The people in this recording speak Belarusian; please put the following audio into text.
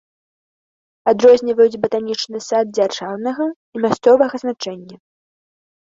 Адрозніваюць батанічны сад дзяржаўнага і мясцовага значэння.